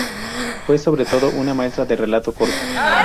Fue, sobre todo, una maestra del relato corto.